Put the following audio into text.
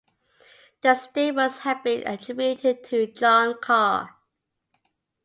The stables have been attributed to John Carr.